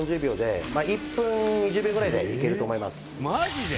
マジで！？